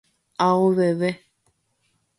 Aoveve